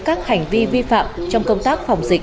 các hành vi vi phạm trong công tác phòng dịch